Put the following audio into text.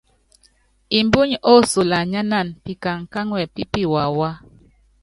Mbuny osolanyáan pikaŋkáŋua pi piwawá.